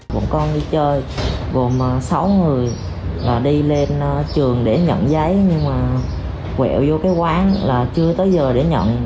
bọn con đi chơi gồm sáu người là đi lên trường để nhận giấy nhưng mà quẹo vô cái quán là chưa tới giờ để nhận